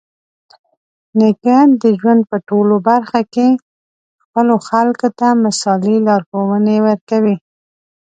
نیکه د ژوند په ټولو برخه کې خپلو خلکو ته مثالي لارښوونې ورکوي.